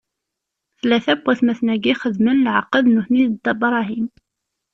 Tlata n watmaten-agi xedmen leɛqed nutni d Dda Bṛahim.